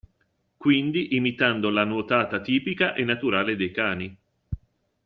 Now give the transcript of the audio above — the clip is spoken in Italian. Quindi imitando la nuotata tipica e naturale dei cani.